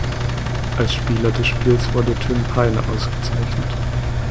Als Spieler des Spiels wurde Tim Paine ausgezeichnet.